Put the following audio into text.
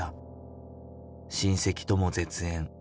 親戚とも絶縁。